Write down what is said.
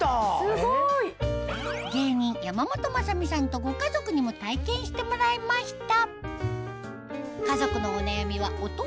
すごい！芸人やまもとまさみさんとご家族にも体験してもらいました